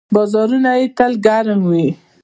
بازارونه یې تل ګرم وي.